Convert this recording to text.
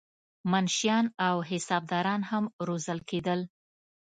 منشیان او حسابداران هم روزل کېدل.